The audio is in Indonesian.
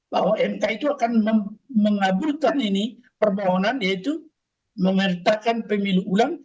bahwa mk itu akan mengabulkan ini permohonan yaitu mengertakan pemilu ulang